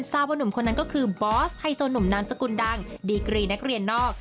ทราบว่าหนุ่มคนนั้นก็คือบอสไฮโซหนุ่มนามสกุลดังดีกรีนักเรียนนอก